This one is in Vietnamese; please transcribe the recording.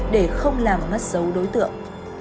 để không làm mất dấu đối tượng